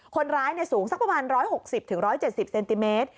คนร้ายสูงสักประมาณ๑๖๐๑๗๐เซนติเมตร